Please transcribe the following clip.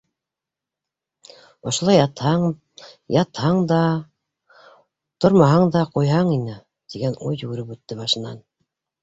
«Ошолай ятһаң, ятһаң да... тормаһаң да ҡуйһаң ине!» - тигән уй йүгереп үтте башынан.